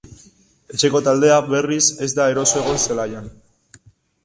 Etxeko taldea, berriz, ez da eroso egon zelaian.